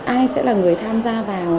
ai sẽ là người tham gia vào